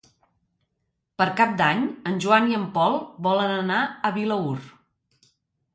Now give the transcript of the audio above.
Per Cap d'Any en Joan i en Pol volen anar a Vilaür.